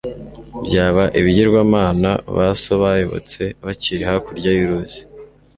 byaba ibigirwamana ba so bayobotse bakiri hakurya y'uruzi